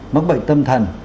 mắc bệnh tâm thần